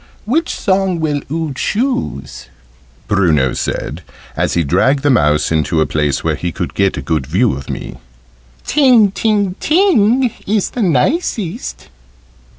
"Which song will oo choose?" Bruno said, as he dragged the mouse into a place where he could get a good view of me. "'Ting, ting, ting' is the nicest."